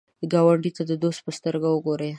ګاونډي ته د دوست په سترګه وګوره